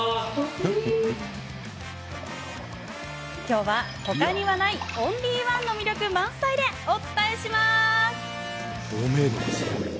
きょうは、ほかにはないオンリーワンの魅力満載でお伝えします。